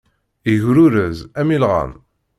Igrurez, am ilɣan.